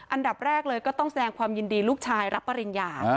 อันดับแรกเลยก็ต้องแสดงความยินดีลูกชายรับปริญญา